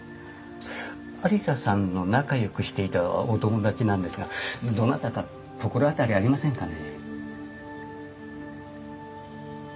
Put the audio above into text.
愛理沙さんの仲よくしていたお友達なんですがどなたか心当たりありませんかね？